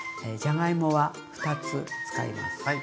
じゃがいもは２つ使います。